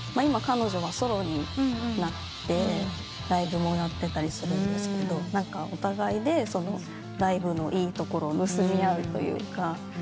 今彼女はソロになってライブもやってたりするんですけどお互いでライブのいいところを盗み合うというか。